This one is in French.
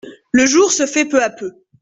Le jour se fait peu à peu.